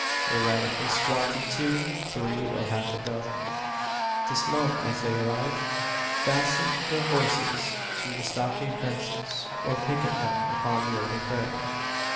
They ride up in squads of two, three, or half a dozen; dismount as they arrive; fasten their horses to the stockade fences, or picket them upon the open prairie.